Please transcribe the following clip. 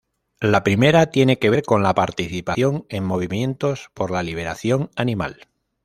La primera tiene que ver con la participación en movimientos por la liberación animal.